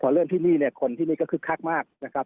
เริ่มที่นี่เนี่ยคนที่นี่ก็คึกคักมากนะครับ